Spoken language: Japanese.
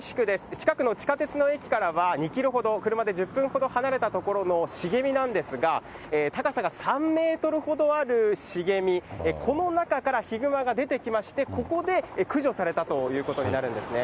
近くの地下鉄の駅からは、２キロほど、車で１０分ほど離れた所の茂みなんですが、高さが３メートルほどある茂み、この中からヒグマが出てきまして、ここで駆除されたということになるんですね。